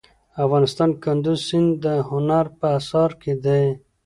افغانستان کې کندز سیند د هنر په اثار کې دی.